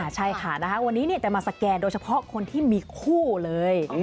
ใช่ค่ะวันนี้จะมาสแกนโดยเฉพาะคนที่มีคู่เลย